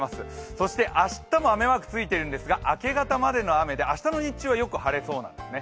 そして明日も雨マークがついているんですが明け方までの雨で明日の日中はよく晴れそうなんですね。